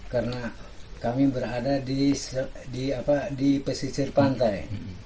karena kami berada di pesisir pantai